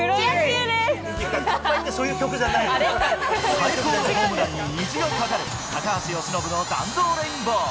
最高のホームランに虹がかかる、高橋由伸の弾道レインボー。